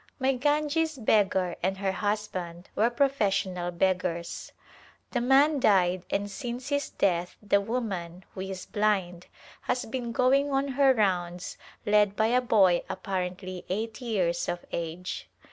My Ganges beggar and her husband were profes sional beggars. The man died and since his death the woman, who is blind, has been going on her rounds led by a boy apparently eight years of age.